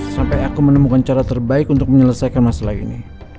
sampai aku menemukan cara terbaik untuk menyelesaikan masalah ini